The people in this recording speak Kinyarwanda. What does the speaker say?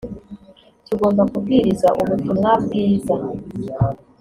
tugomba kubwiriza Ubutumwa bwiza